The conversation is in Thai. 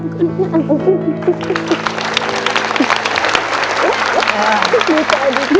ขอบคุณมาก